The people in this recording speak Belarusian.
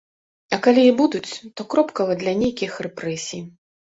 А калі і будуць, то кропкава для нейкіх рэпрэсій.